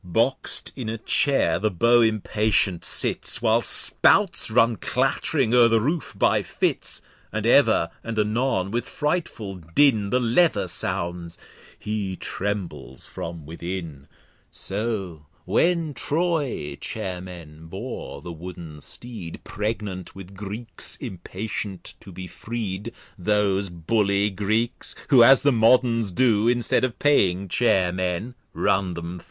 Box'd in a Chair the Beau impatient sits, While Spouts run clatt'ring o'er the Roof by Fits; And ever and anon with frightful Din The Leather sounds, he trembles from within. So when Troy Chair men bore the Wooden Steed, Pregnant with Greeks, impatient to be freed, (Those Bully Greeks, who, as the Moderns do, Instead of paying Chair men, run them thro'.)